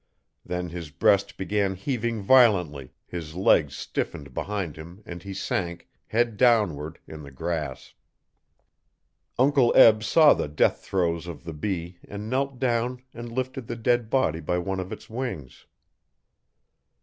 Then his breast began heaving violently, his legs stiffened behind him and he sank, head downward, in the grass. Uncle Eb saw the death throes of the bee and knelt down and lifted the dead body by one of its wings.